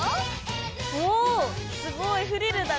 おすごいフリルだ！